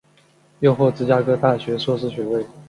又获芝加哥大学硕士学位。